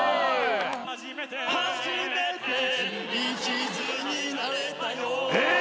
初めて一途になれたよえっ！？